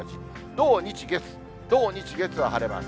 土、日、月、土、日、月は晴れます。